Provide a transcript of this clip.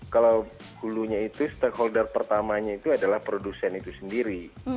kalau hulunya itu stakeholder pertamanya itu adalah produsen itu sendiri